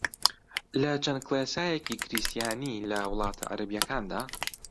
لە چەند کڵێسایەکی کریستیانی لە وڵاتە عەرەبییەکاندا